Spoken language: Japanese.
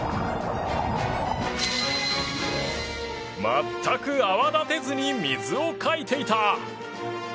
全く泡立てずに水をかいていた！